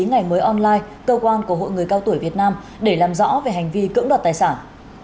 ngày mới online cơ quan của hội người cao tuổi việt nam để làm rõ về hành vi cưỡng đoạt tài sản